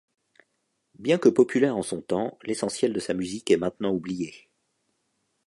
Bien que populaire en son temps, l'essentiel de sa musique est maintenant oublié.